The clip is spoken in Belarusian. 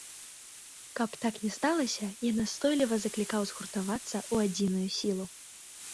Каб так не сталася, я настойліва заклікаў згуртавацца ў адзіную сілу.